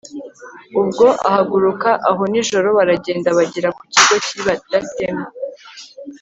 ubwo ahaguruka aho nijoro, baragenda bagera ku kigo cy'i datema